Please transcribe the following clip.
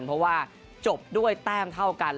เพราะว่าจบด้วยแต้มเท่ากัน